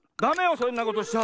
そんなことしちゃ。